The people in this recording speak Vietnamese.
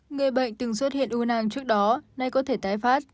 người bệnh từng xuất hiện u nang trước đó nay có thể tái phát